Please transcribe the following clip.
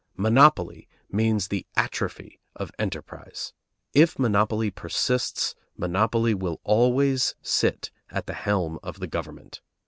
Monopoly means the atrophy of enterprise. If monopoly persists, monopoly will always sit at the helm of the government.